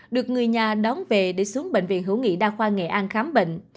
được người nhà đón về để xuống bệnh viện hữu nghị đa khoa nghệ an khám bệnh